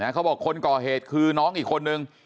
เขาบอกคนก่อเหตุคือน้องอีกคนนึง